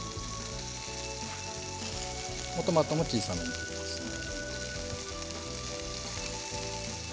トマトも小さめにですね。